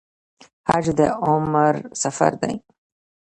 حج د عمر سفر دی